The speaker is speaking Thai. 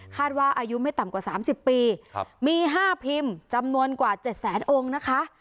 อายุไม่ต่ำกว่า๓๐ปีมี๕พิมพ์จำนวนกว่า๗แสนองค์นะคะ